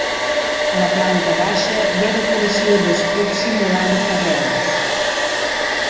A la planta baixa hi ha decoració d'estuc simulant carreus.